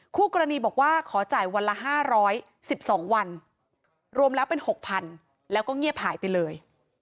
คู่กรณีบอกว่าขอจ่ายวันละ๕๑๒วันรวมแล้วเป็น๖๐๐๐แล้วก็เงียบหายไปเลย